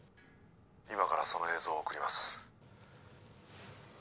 今からその映像を送ります